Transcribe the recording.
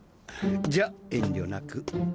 じゃ遠慮なく。